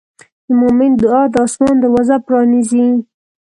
د مؤمن دعا د آسمان دروازه پرانیزي.